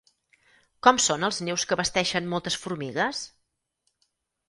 Com són els nius que basteixen moltes formigues?